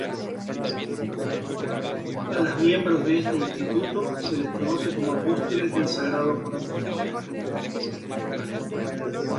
A las miembros de este instituto se les conoce como apóstoles del Sagrado Corazón.